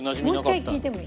もう１回聴いてもいい？